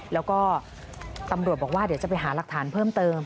แล้วก็ตำรวจบอกว่าเดี๋ยวจะไปหาหลักฐานเพิ่มเติม